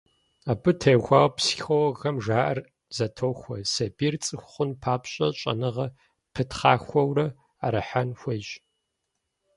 Абы теухуауэ психологхэм жаӀэр зэтохуэ: сабийр цӀыху хъун папщӀэ щӀэныгъэр пытхъахуэурэ Ӏэрыхьэн хуейщ.